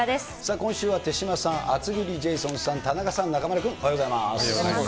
今週は手嶋さん、厚切りジェイソンさん、田中さん、おはようございます。